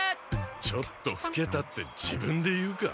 「ちょっとふけた」って自分で言うか？